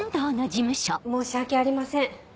申し訳ありません。